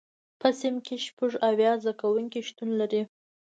په صنف کې شپږ اویا زده کوونکي شتون لري.